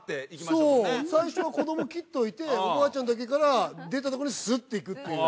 そう最初は子ども切っといておばあちゃんだけから出たとこにスッといくっていう。